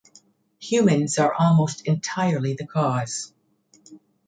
Humans are almost entirely the cause.